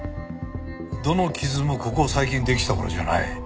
どの傷もここ最近できたものじゃない。